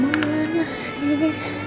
mama mana sih